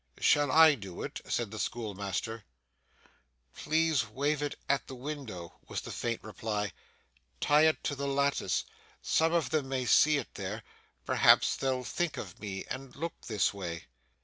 'Shall I do it?' said the schoolmaster. 'Please wave it at the window,' was the faint reply. 'Tie it to the lattice. Some of them may see it there. Perhaps they'll think of me, and look this way.